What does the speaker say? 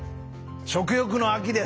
食欲の秋です。